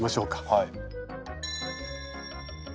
はい。